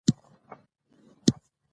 لعل د افغانستان په هره برخه کې موندل کېږي.